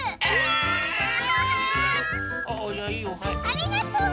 ありがとう！